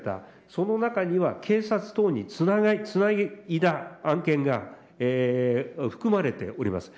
その中には警察等につないだ案件が含まれております。